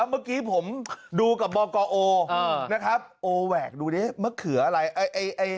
เมื่อกี้ผมดูกับบอกกอโออ่านะครับโอแหวกดูดิมะเขืออะไรไอไอไอ